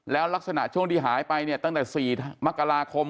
แล้วลักษณะช่วงที่หายไปเนี่ยตั้งแต่๔มกราคม